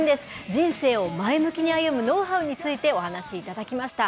人生を前向きに歩むノウハウについてお話しいただきました。